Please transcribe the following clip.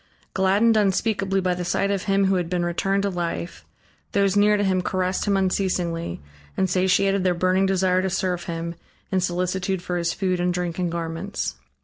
Gladdened unspeakably by the sight of him who had been returned to life, those near to him caressed him unceasingly, and satiated their burning desire to serve him, in solicitude for his food and drink and garments.